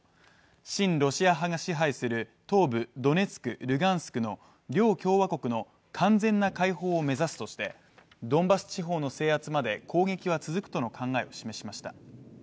親ロシア派が支配する東部、ドネツク、ルガンスクの両共和国の完全な解放を目指すとしてドンバス地方の制圧まで攻撃は続くとの考えを示しました。